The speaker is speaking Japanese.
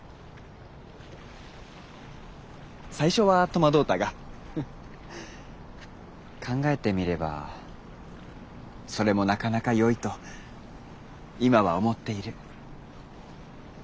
最初は戸惑うたがフッ考えてみればそれもなかなかよいと今は思っている。